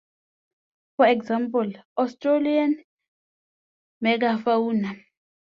For example, Australian megafauna.